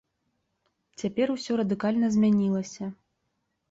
Цяпер усё радыкальна змянілася.